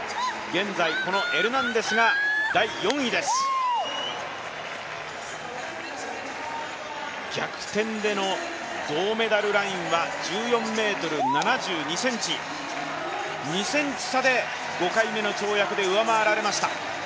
現在このエルナンデスが第４位です逆転での銅メダルラインは１４ｍ７２ｃｍ２ｃｍ差で５回目の跳躍で上回られました。